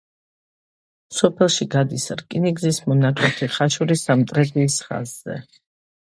სოფელში გადის რკინიგზის მონაკვეთი ხაშური-სამტრედიის ხაზზე.